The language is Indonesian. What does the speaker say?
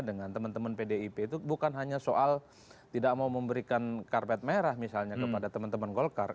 dengan teman teman pdip itu bukan hanya soal tidak mau memberikan karpet merah misalnya kepada teman teman golkar